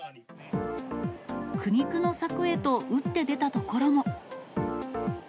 苦肉の策へと打って出たところも。